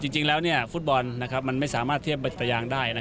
จริงแล้วฟุตบอลมันไม่สามารถเทียบบัตยางได้